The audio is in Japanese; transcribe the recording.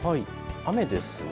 雨ですね。